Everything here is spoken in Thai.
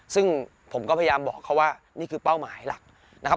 ซึ่งผมก็พยายามบอกเขาว่านี่คือเป้าหมายหลักนะครับ